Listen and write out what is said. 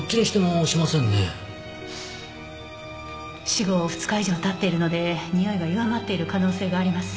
死後２日以上経っているのでにおいが弱まっている可能性があります。